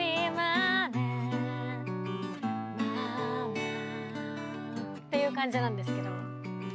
えっ。っていう感じなんですけど。